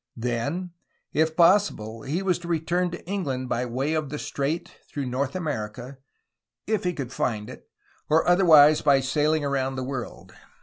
Then, if possible, he was to return to England by way of the strait through North Amer ica, if he could find it, or otherwise by sailing around the world.